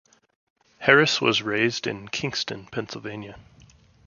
Harris was raised in Kingston, Pennsylvania.